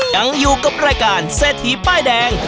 ยังอยู่กับรายการเศรษฐีป้ายแดง